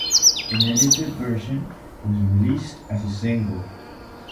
An edited version was released as a single.